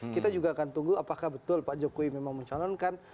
kita juga akan tunggu apakah betul pak jokowi memang mencalonkan